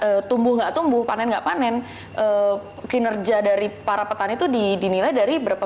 kalau tumbuh nggak tumbuh panen nggak panen kinerja dari para petani itu dinilai dari berapa